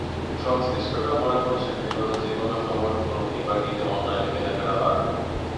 সংশ্লিষ্টরা মনে করছেন, বিগত যেকোনো সময়ের তুলনায় এবার ঈদে অনলাইনে কেনাকাটা বাড়বে।